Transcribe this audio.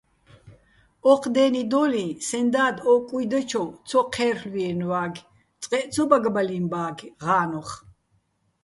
ოჴ დე́ნიდო́ლიჼ სეჼ და́დ ო კუჲდე́ჩოვ ცო ჴე́რ'ლვიენვაგე̆, წყეჸ ცო ბაგბალინბაგე̆ ღა́ნოხ.